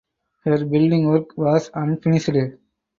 Her building work was unfinished.